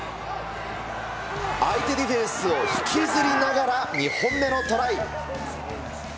相手ディフェンスを引きずりながら、２本目のトライ。